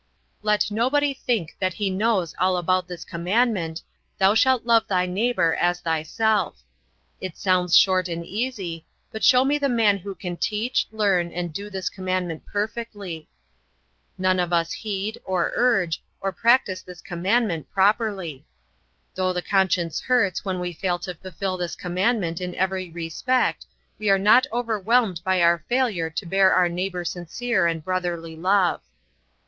Let nobody think that he knows all about this commandment, "Thou shalt love thy neighbour as thyself." It sounds short and easy, but show me the man who can teach, learn, and do this commandment perfectly. None of us heed, or urge, or practice this commandment properly. Though the conscience hurts when we fail to fulfill this commandment in every respect we are not overwhelmed by our failure to bear our neighbor sincere and brotherly love.